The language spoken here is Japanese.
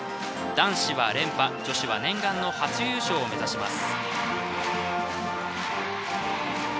男子は連覇女子は念願の初優勝を目指します。